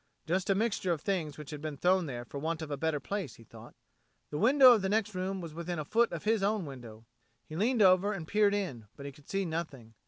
Just a mixture of things which had been thrown there for want of a better place, he thought. The window of the next room was within a foot of his own window. He leaned over and peered in, but he could see nothing.